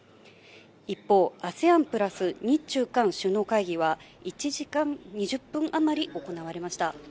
一方、ＡＳＥＡＮ＋日中韓首脳会議は、１時間２０分余り行われました。